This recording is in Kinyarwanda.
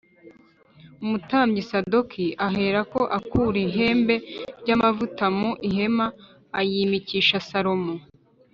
Umutambyi Sadoki aherako akura ihembe ry’amavuta mu ihema ayimikisha Salomo